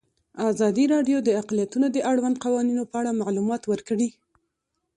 ازادي راډیو د اقلیتونه د اړونده قوانینو په اړه معلومات ورکړي.